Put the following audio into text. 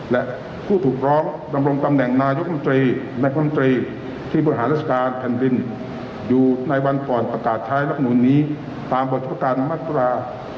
และผู้ถูกร้องดำรงตำแหน่งนายกรรมตรีนักรมตรีที่บริหารราชการแผ่นดินอยู่ในวันก่อนประกาศใช้รับนูลนี้ตามบทประการมาตรา